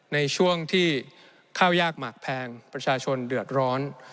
ในช่วงที่ข้าวยากหมากแพงประชาชนเดือดร้อน